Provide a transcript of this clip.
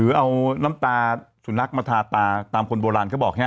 เอาน้ำตาสุนัขมาทาตาตามคนโบราณเขาบอกแค่